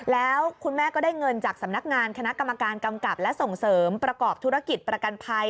แล้วคุณแม่ก็ได้เงินจากสำนักงานคณะกรรมการกำกับและส่งเสริมประกอบธุรกิจประกันภัย